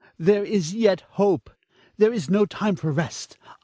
there is yet hope. There is no time for rest.